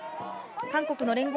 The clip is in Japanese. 韓国の聯合